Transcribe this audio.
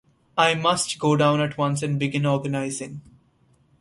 I must go down at once and begin organising.